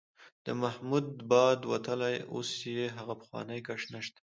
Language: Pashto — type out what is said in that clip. د محمود باد وتلی، اوس یې هغه پخوانی کش نشته.